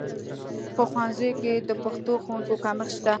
په ښوونځیو کې د پښتو ښوونکو کمښت شته